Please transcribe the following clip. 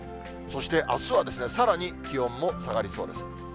そして、あすはさらに気温も下がりそうです。